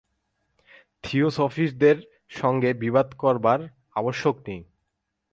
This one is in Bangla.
থিওসফিষ্টদের সঙ্গে বিবাদ করবার আবশ্যক নেই।